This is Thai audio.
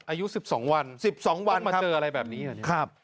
อายุ๑๒วันต้องมาเจออะไรแบบนี้เหรอเนี่ยครับ